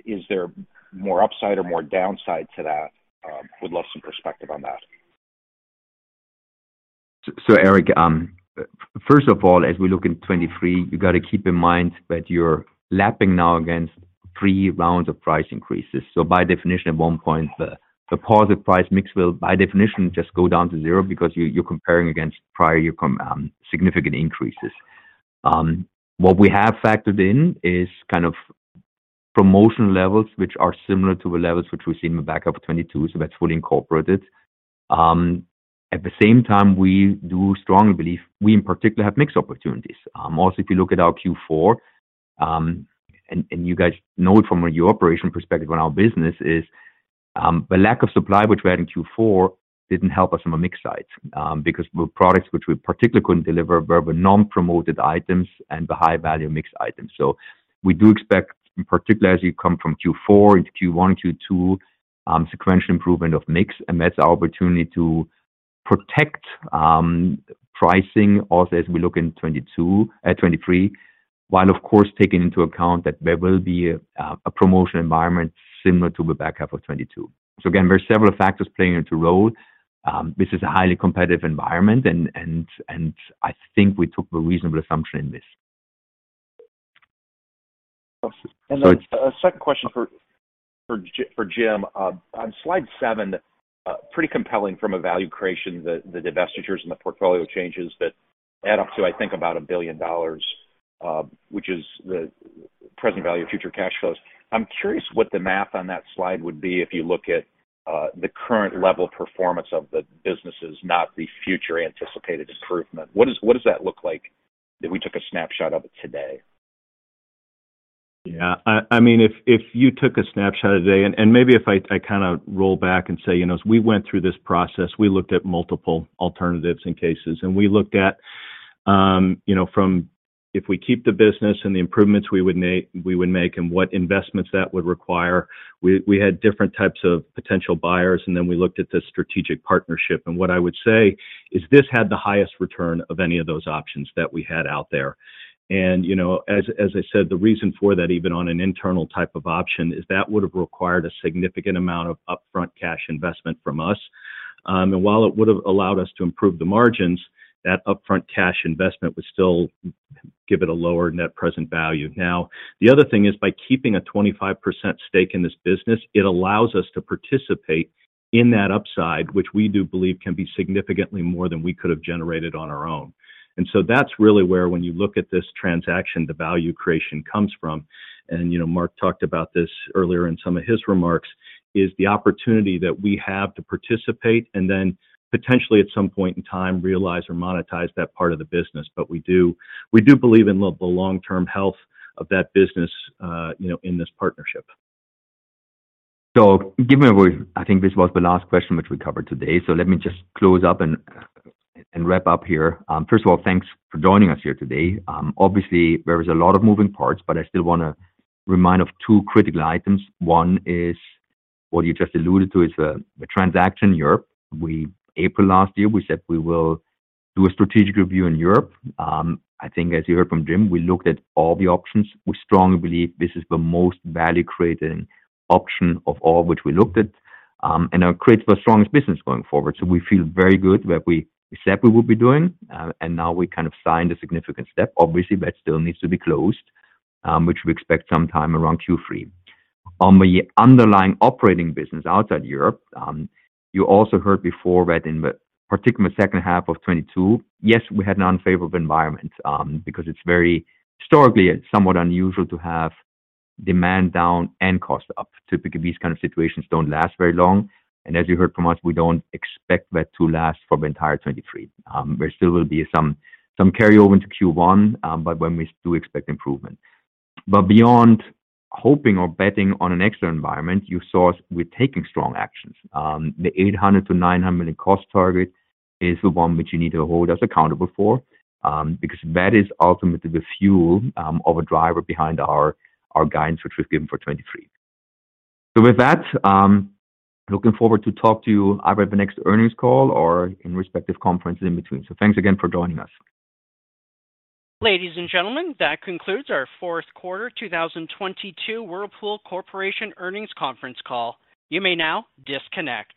is there more upside or more downside to that? Would love some perspective on that. Eric, first of all, as we look in 2023, you gotta keep in mind that you're lapping now against three rounds of price increases. By definition, at one point, the positive price mix will, by definition, just go down to zero because you're comparing against prior significant increases. What we have factored in is kind of promotion levels which are similar to the levels which we see in the back half of 2022, that's fully incorporated. At the same time, we do strongly believe we in particular have mixed opportunities. Also, if you look at our Q4, and you guys know it from your operation perspective on our business is, the lack of supply which we had in Q4 didn't help us on the mix side, because the products which we particularly couldn't deliver were the non-promoted items and the high value mix items. We do expect, in particular as you come from Q4 into Q1, Q2, sequential improvement of mix, and that's our opportunity to protect pricing also as we look in 22, 23, while of course, taking into account that there will be a promotion environment similar to the back half of 22. Again, there are several factors playing into role. This is a highly competitive environment and I think we took a reasonable assumption in this. Then a second question for Jim. On slide seven, pretty compelling from a value creation, the divestitures and the portfolio changes that add up to, I think about $1 billion, which is the present value of future cash flows. I'm curious what the math on that slide would be if you look at the current level of performance of the businesses, not the future anticipated improvement. What does that look like if we took a snapshot of it today? Yeah. I mean, if you took a snapshot today, maybe if I kinda roll back and say, you know, as we went through this process, we looked at multiple alternatives and cases, and we looked at, you know, from if we keep the business and the improvements we would make and what investments that would require. We had different types of potential buyers, and then we looked at the strategic partnership. What I would say is this had the highest return of any of those options that we had out there. You know, as I said, the reason for that, even on an internal type of option, is that would have required a significant amount of upfront cash investment from us. While it would have allowed us to improve the margins, that upfront cash investment would still give it a lower net present value. The other thing is by keeping a 25% stake in this business, it allows us to participate in that upside, which we do believe can be significantly more than we could have generated on our own. That's really where when you look at this transaction, the value creation comes from, and you know, Marc talked about this earlier in some of his remarks, is the opportunity that we have to participate and then potentially at some point in time, realize or monetize that part of the business. We do, we do believe in the long-term health of that business, you know, in this partnership. Given I think this was the last question which we covered today, let me just close up and wrap up here. First of all, thanks for joining us here today. Obviously there is a lot of moving parts, but I still wanna remind of two critical items. One is what you just alluded to is the transaction in Europe. April last year, we said we will do a strategic review in Europe. I think as you heard from Jim, we looked at all the options. We strongly believe this is the most value-creating option of all which we looked at, and it creates the strongest business going forward. We feel very good what we said we would be doing, and now we kind of signed a significant step. Obviously, that still needs to be closed, which we expect sometime around Q3. On the underlying operating business outside Europe, you also heard before that in the particular second half of 2022, yes, we had an unfavorable environment, because it's very historically somewhat unusual to have demand down and cost up. Typically, these kind of situations don't last very long, and as you heard from us, we don't expect that to last for the entire 2023. There still will be some carry over into Q1, but when we do expect improvement. Beyond hoping or betting on an extra environment, you saw us, we're taking strong actions. The $800 million-$900 million cost target is the one which you need to hold us accountable for, because that is ultimately the fuel of a driver behind our guidance, which was given for 2023. With that, looking forward to talk to you either at the next earnings call or in respective conferences in between. Thanks again for joining us. Ladies and gentlemen, that concludes our fourth quarter 2022 Whirlpool Corporation earnings conference call. You may now disconnect.